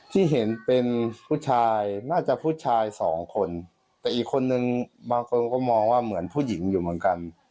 ที่เห็นเป็นผู้ชายน่าจะผู้ชายสองคนแต่อีกคนนึงบางคนก็มองว่าเหมือนผู้หญิงอยู่เหมือนกัน